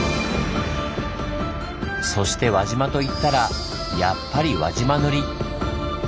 そして輪島といったらやっぱり輪島塗！